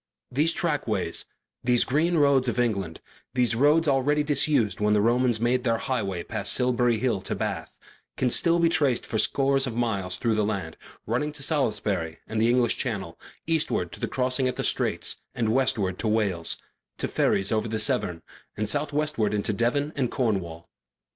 These trackways, these green roads of England, these roads already disused when the Romans made their highway past Silbury Hill to Bath, can still be traced for scores of miles through the land, running to Salisbury and the English Channel, eastward to the crossing at the Straits and westward to Wales, to ferries over the Severn, and southwestward into Devon and Cornwall.